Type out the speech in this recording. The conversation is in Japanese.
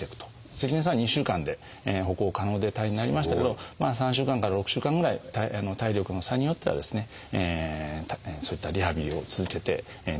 関根さんは２週間で歩行可能で退院になりましたけど３週間から６週間ぐらい体力の差によってはですねそういったリハビリを続けて自宅に帰られる方もいらっしゃる。